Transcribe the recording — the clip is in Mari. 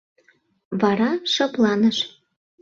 Вара шыпланыш!.